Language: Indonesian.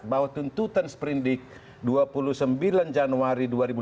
bahwa tuntutan seprindik dua puluh sembilan januari dua ribu lima belas